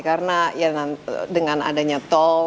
karena dengan adanya tol